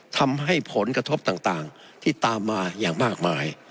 ทำให้ผลกระทบต่างที่ตามมาอย่างมากมาย